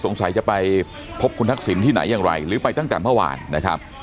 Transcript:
จะไปพบคุณทักษิณที่ไหนอย่างไรหรือไปตั้งแต่เมื่อวานนะครับ